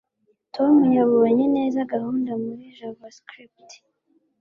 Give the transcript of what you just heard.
tom yabonye neza gahunda muri javascript